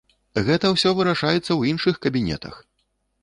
Гэта ўсё вырашаецца ў іншых кабінетах!